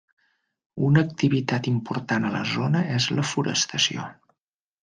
Una activitat important a la zona és la forestació.